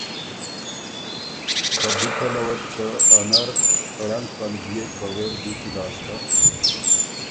خه بی پلؤه بو ا نر ګه ړنګ پنګ ديېک بغېر دُوچی لاسته۔